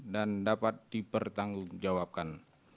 dan dapat dipertanggungjawabkan